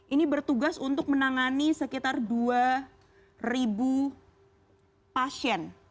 ini bertugas untuk menangani sekitar dua pasien